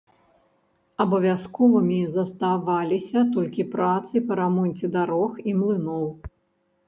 Абавязковымі заставаліся толькі працы па рамонце дарог і млыноў.